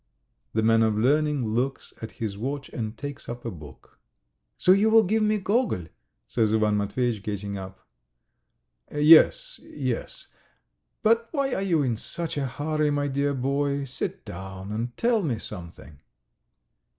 The man of learning looks at his watch and takes up a book. "So you will give me Gogol?' says Ivan Matveyitch, getting up. "Yes, yes! But why are you in such a hurry, my dear boy? Sit down and tell me something